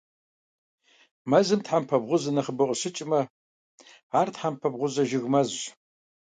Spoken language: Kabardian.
Мэзым тхьэмпэ бгъузэ нэхъыбэу къыщыкӀмэ - ар тхьэмпэ бгъузэ жыг мэзщ.